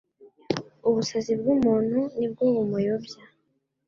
Ubusazi bw’umuntu ni bwo bumuyobya